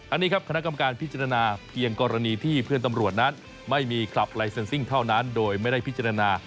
อันนี้ครับคณะกรรมการพิจารณาเพียงกรณีที่เพื่อนตำรวจนั้นไม่มีคลับลายเซ็นซิ่งเท่านั้นโดยไม่ได้พิจารณา